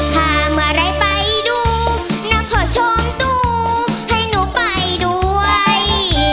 ถ้าเมื่อไรไปดูนักขอชมดูให้หนูไปด้วย